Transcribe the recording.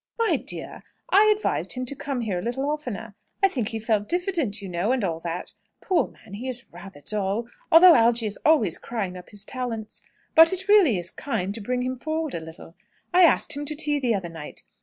"My dear, I advised him to come here a little oftener. I think he felt diffident, you know, and all that. Poor man, he is rather dull, although Algy is always crying up his talents. But it really is kind to bring him forward a little. I asked him to tea the other night.